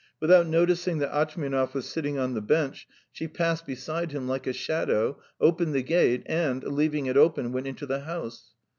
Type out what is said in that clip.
Without noticing that Atchmianov was sitting on the bench, she passed beside him like a shadow, opened the gate, and leaving it open, went into the house.